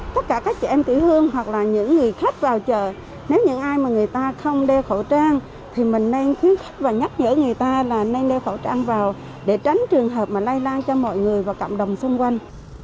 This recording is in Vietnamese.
tất cả các chị em tiểu thương hoặc là những người khách vào chợ nếu những ai mà người ta không đeo khẩu trang thì mình nên khuyến khích và nhắc nhở người ta là nên đeo khẩu trang vào để tránh trường hợp mà lây lan cho mọi người và cộng đồng xung quanh